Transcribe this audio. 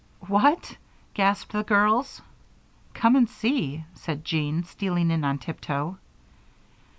"What!" gasped the girls. "Come and see," said Jean, stealing in on tiptoe.